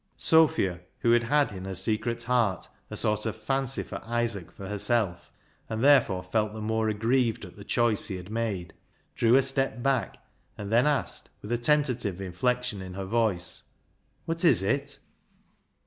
" Sophia, who had had in her secret heart a sort of fancy for Isaac for herself, and therefore felt the more aggrieved at the choice he had made, drew a step back, and then asked, with a ten tative inflexion in her voice —" Wot is it